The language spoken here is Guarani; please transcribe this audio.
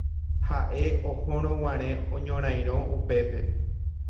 ha'e ohorõguare oñorairõ upépe